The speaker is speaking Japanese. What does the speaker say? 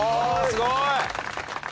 すごい！